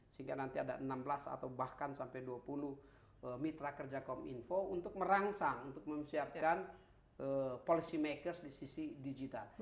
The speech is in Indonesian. sehingga nanti ada enam belas atau bahkan sampai dua puluh mitra kerja kom info untuk merangsang untuk mempersiapkan policy makers di sisi digital